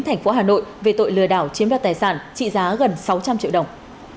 thành phố hà nội về tội lừa đảo chiếm đoạt tài sản trị giá gần sáu trăm linh triệu đồng